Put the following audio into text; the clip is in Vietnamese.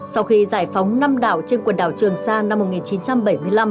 sau khi giải phóng năm đảo trên quần đảo trường sa năm một nghìn chín trăm bảy mươi năm